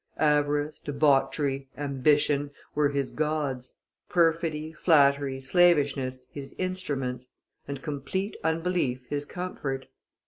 Avarice, debauchery, ambition, were his gods; perfidy, flattery, slavishness, his instruments; and complete unbelief his comfort.